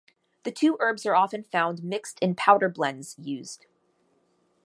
The two herbs are often found mixed in powder blends used.